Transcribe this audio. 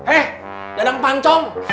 eh dadang pancong